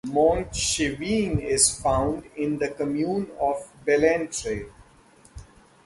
Montchavin is found in the commune of Bellentre.